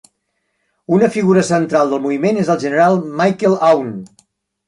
Una figura central del moviment és el general Michel Aoun.